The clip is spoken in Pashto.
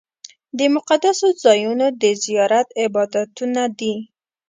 د مقدسو ځایونو د زیارت عبادتونه دي.